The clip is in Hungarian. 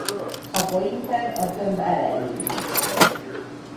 A pointer a tömb elején indul.